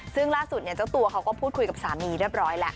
ซึ่งล่าสุดเจ้าตัวเขาก็พูดคุยกับสามีเรียบร้อยแล้ว